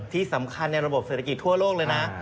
ที่สำคัญในระบบเศรษฐกิจทั่วโลกเลยนะ